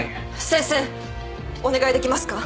先生お願いできますか？